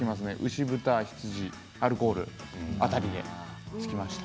牛豚羊アルコール辺りでつきました。